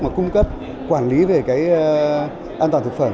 mà cung cấp quản lý về cái an toàn thực phẩm